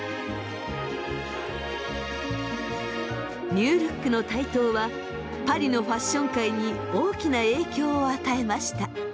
ニュールックの台頭はパリのファッション界に大きな影響を与えました。